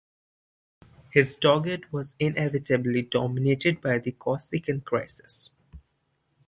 His Dogate was inevitably dominated by the Corsican Crisis.